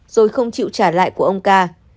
rồi không chịu trả lại của ông ca